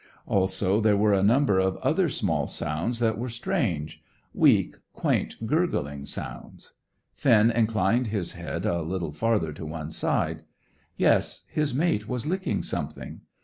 Also, there were a number of other small sounds that were strange weak, quaint, gurgling sounds. Finn inclined his head a little farther to one side. Yes, his mate was licking something.